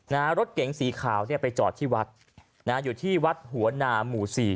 นะฮะรถเก๋งสีขาวเนี้ยไปจอดที่วัดน่ะอยู่ที่วัดหัวหนามู่ศรี